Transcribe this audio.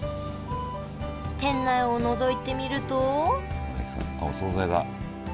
店内をのぞいてみるとあっお総菜だ。